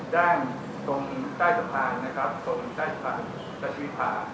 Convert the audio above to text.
ด้านตรงใต้สะพานนะครับตรงใต้สะพานกับชีวิตภาพ